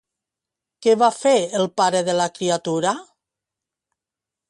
Què va fer el pare de la criatura?